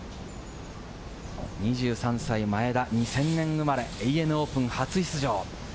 ２３歳、前田、２０００年生まれ、ＡＮＡオープン初出場。